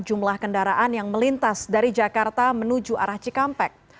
jumlah kendaraan yang melintas dari jakarta menuju arah cikampek